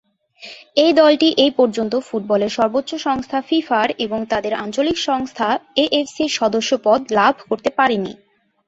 এই দলটি এপর্যন্ত ফুটবলের সর্বোচ্চ সংস্থা ফিফার এবং তাদের আঞ্চলিক সংস্থা এএফসির সদস্যপদ লাভ করতে পারেনি।